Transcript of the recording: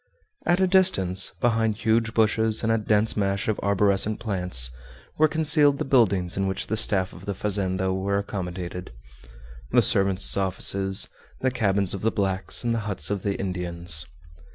At a distance, behind huge bushes and a dense mass of arborescent plants, were concealed the buildings in which the staff of the fazenda were accommodated the servants' offices, the cabins of the blacks, and the huts of the Indians.